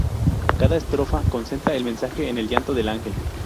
Cada estrofa concentra el mensaje en el llanto del ángel.